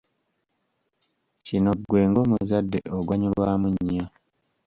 Kino gwe ng'omuzadde oganyulwamu nnyo.